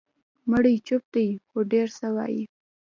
مړی چوپ دی، خو ډېر څه وایي.